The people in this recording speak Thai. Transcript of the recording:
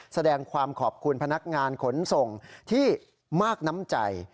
แสดงความขอบคุณพนักงานขนส่งที่มากน้ำใจ